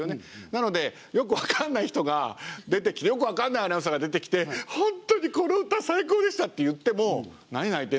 なのでよく分かんない人が出てきてよく分かんないアナウンサーが出てきて「本当にこの歌最高でした」って言っても「何泣いてんだよ」ってなりますし。